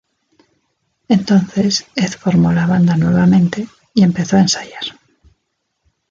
Entonces Ed formó la banda nuevamente y empezó a ensayar.